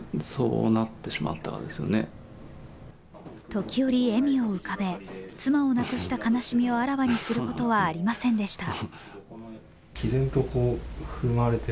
時折、笑みを浮かべ、妻を亡くした悲しみをあらわにすることはありませんでした。